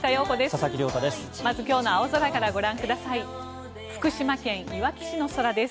佐々木亮太です。